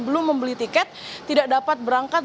belum membeli tiket tidak dapat berangkat